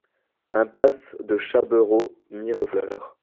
Impasse de Chaberot, Mirefleurs